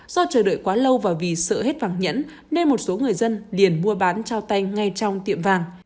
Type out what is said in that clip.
do chờ đợi quá lâu và vì sợ hết vàng nhẫn nên một số người dân liền mua bán trao tay ngay trong tiệm vàng